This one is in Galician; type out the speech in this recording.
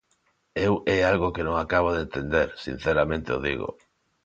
Eu é algo que non acabo de entender, sinceramente o digo.